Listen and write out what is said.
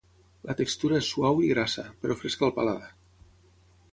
La textura és suau i grassa, però fresca al paladar.